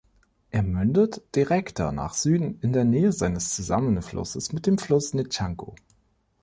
Er mündet direkter nach Süden in der Nähe seines Zusammenflusses mit dem Fluss Nechako.